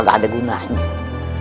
gak ada gunanya